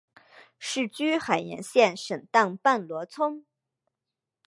世居海盐县沈荡半逻村。